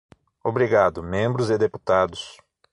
Obrigado, membros e deputados.